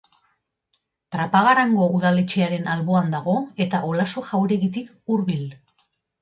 Trapagarango udaletxearen alboan dago, eta Olaso jauregitik hurbil.